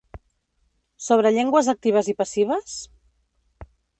Sobre llengües actives i passives?